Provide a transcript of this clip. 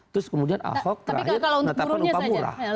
terus kemudian ahok terakhir menetapkan upah murah